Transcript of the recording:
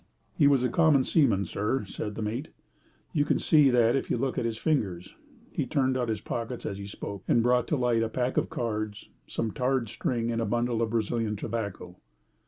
"He was a common seaman, sir," said the mate. "You can see that if you look at his fingers." He turned out his pockets as he spoke and brought to light a pack of cards, some tarred string, and a bundle of Brazilian tobacco.